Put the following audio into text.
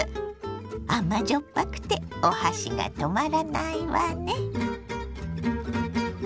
甘じょっぱくてお箸が止まらないわね。